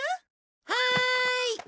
はい！